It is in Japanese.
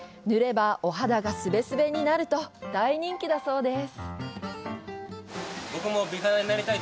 塗ればお肌がすべすべになると大人気だそうです。